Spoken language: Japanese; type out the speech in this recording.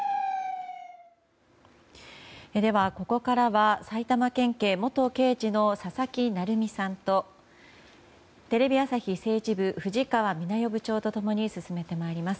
では、ここからは埼玉県警元刑事の佐々木成三さんとテレビ朝日政治部藤川みな代部長と共に進めて参ります。